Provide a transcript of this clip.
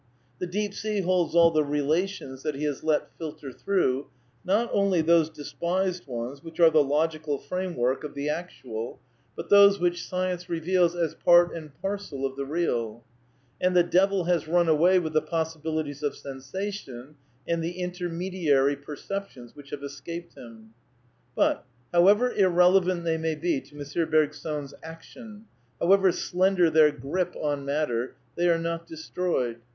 The deep sea holds all ArChe " relations " that he has let filter through ; not only \hose despised ones which are the logical framework of 62 A DEFENCE OF IDEALISM the actual, but those which science reveals as part and parcel of the real; and the devil has run away with the possibilities of sensation and the ^^intermediary percep tions '^ which have " escaped '^ him. But, however irrelevant they may be to M. Bergson's action, however slender their " grip " on matter, they are not destroyed.